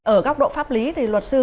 ở góc độ pháp lý thì luật sư